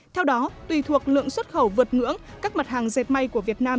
theo đó tùy thuộc lượng xuất khẩu vượt ngưỡng các mặt hàng dệt may của việt nam